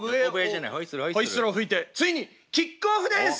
ホイッスルを吹いてついにキックオフです！